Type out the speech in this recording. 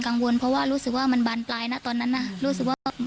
กังวลเพราะว่ารู้สึกว่ามันบานปลายนะตอนนั้นน่ะรู้สึกว่า